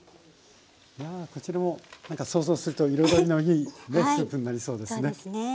こちらも想像すると彩りのいいねスープになりそうですね。